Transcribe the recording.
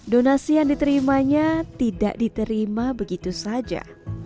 donasi yang diterimanya tidak diterima begitu saja